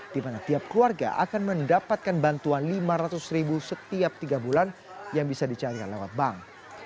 di mana tiap keluarga akan mendapatkan bantuan lima ratus ribu setiap tiga bulan yang bisa dicarikan lewat bank